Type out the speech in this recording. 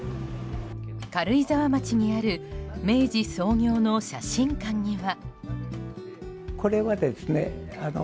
軽井沢町にある明治創業の写真館には。